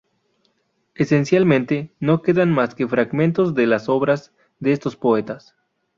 Esencialmente no quedan más que fragmentos de las obras de estos poetas.